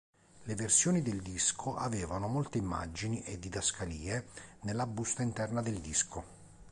Le versioni del disco avevano molte immagini e didascalie nella busta interna del disco.